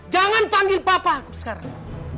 jangan panggil papa aku sekarang